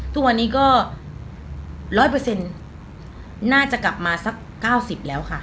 ทุกวันนี้ก็ร้อยเปอร์เซ็นต์น่าจะกลับมาสักเก้าสิบแล้วค่ะ